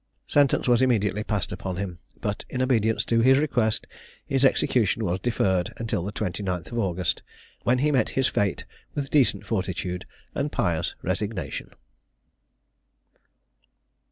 Sentence was then immediately passed upon him; but in obedience to his request, his execution was deferred until the 29th of August, when he met his fate with decent fortitude and pious resignation.